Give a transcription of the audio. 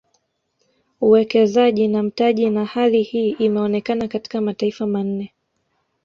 Uwekezaji na mtaji na hali hii imeonekana katika mataifa manne